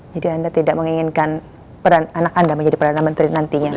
jadi anda tidak menginginkan anak anda menjadi perdana menteri nantinya